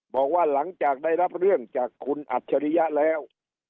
บอกว่าหลังจากได้รับเรื่องจากคุณอัจฉริยะแล้ว